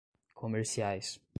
comerciais